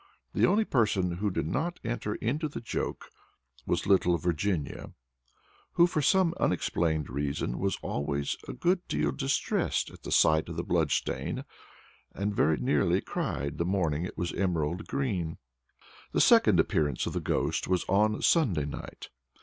The only person who did not enter into the joke was little Virginia, who, for some unexplained reason, was always a good deal distressed at the sight of the blood stain, and very nearly cried the morning it was emerald green. The second appearance of the ghost was on Sunday night.